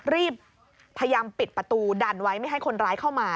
รีบพยายามปิดประตูดันไว้ไม่ให้คนร้ายเข้ามา